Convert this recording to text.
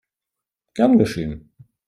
Gern geschehen!